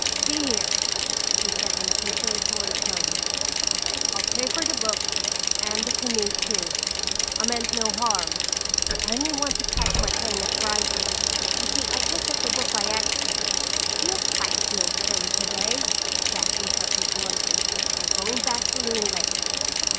"See here," he said in a conciliatory tone. "I'll pay for the book and the canoe too. I meant no harm. I only want to catch my train at Bryson. You see, I picked up the book by accident—" "You'll catch no train today," Jack interrupted bluntly. "You're going back to Loon Lake.